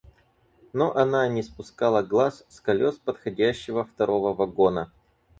Но она не спускала глаз с колес подходящего второго вагона.